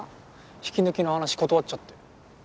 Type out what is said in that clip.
引き抜きの話断っちゃって。